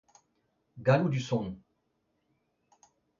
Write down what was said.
Galloudus on.